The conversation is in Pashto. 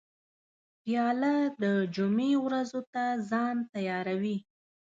پیاله د جمعې ورځو ته ځان تیاروي.